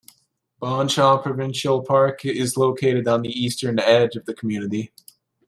Bonshaw Provincial Park is located on the eastern edge of the community.